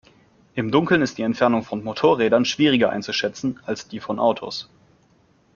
Im Dunkeln ist die Entfernung von Motorrädern schwieriger einzuschätzen, als die von Autos.